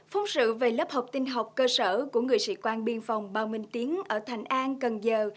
phóng sự về lớp học tinh học cơ sở của người sĩ quan biên phòng bào minh tiến ở thành an cần giờ